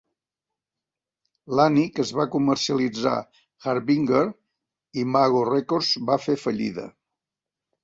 Lany que es va comercialitzar "Harbinger", Imago Records va fer fallida.